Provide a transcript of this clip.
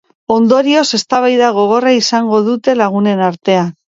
Ondorioz, eztabaida gogorra izango dute lagunen artean.